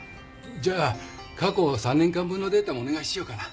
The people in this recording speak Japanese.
じゃあ過去３年間分のデータもお願いしようかな。